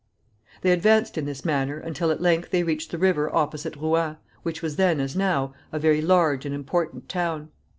] They advanced in this manner until at length they reached the river opposite Rouen, which was then, as now, a very large and important town.